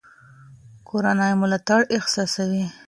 کورنۍ ملاتړ احساسوي.